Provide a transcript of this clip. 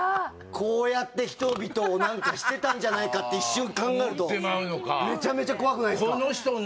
こうやって人々を何かしてたんじゃないかって一瞬考えると思ってまうのかめちゃめちゃ怖くないですか？